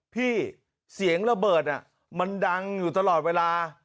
พี่เสียงระเบิดมันดังอยู่ตลอดเวลา